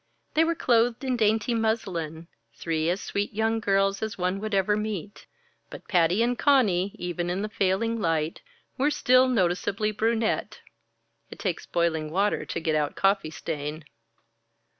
They were clothed in dainty muslin, three as sweet young girls as one would ever meet. But Patty and Conny, even in the failing light, were still noticeably brunette it takes boiling water to get out coffee stain.